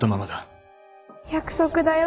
約束だよ？